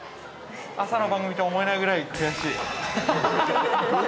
朝の番組とは思えないぐらい悔しい。